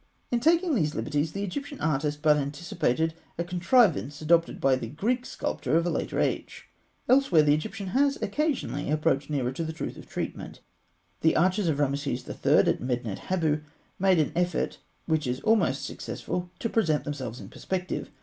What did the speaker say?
In taking these liberties, the Egyptian artist but anticipated a contrivance adopted by the Greek sculptor of a later age. Elsewhere, the Egyptian has occasionally approached nearer to truth of treatment. The archers of Rameses III. at Medinet Habû make an effort, which is almost successful, to present themselves in perspective.